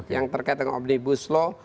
yang terkait dengan omnibus law